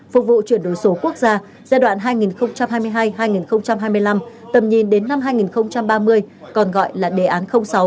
phục vụ chuyển đổi số quốc gia giai đoạn hai nghìn hai mươi hai hai nghìn hai mươi năm tầm nhìn đến năm hai nghìn ba mươi còn gọi là đề án sáu